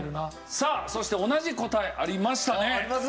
さあそして同じ答えありましたね。